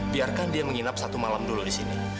biarkan dia menginap satu malam dulu di sini